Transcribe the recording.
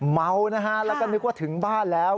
เมานะฮะแล้วก็นึกว่าถึงบ้านแล้ว